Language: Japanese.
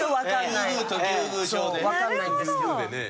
わかんないんですけど。